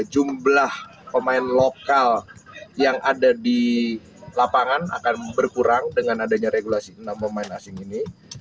jumlah pemain lokal yang ada di lapangan akan berkurang dengan adanya regulasi enam pemain asing ini